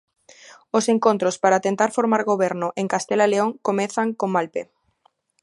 Os encontros para tentar formar goberno en Castela e León comezan con mal pé.